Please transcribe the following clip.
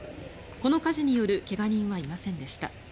この火事による怪我人はいませんでした。